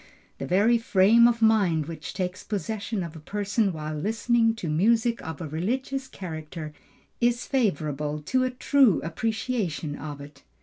The very frame of mind which takes possession of a person while listening to music of a religious character, is favorable to a true appreciation of it.